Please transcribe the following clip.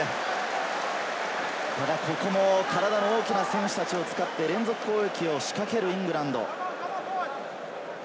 ここも体の大きな選手たちを使って連続攻撃を仕掛けるイングランド。